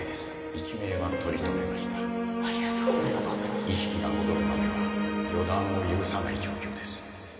一命は取り留めましたありがとうございます意識が戻るまでは予断を許さない状況です